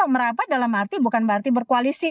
merapat dalam arti bukan berarti berkoalisi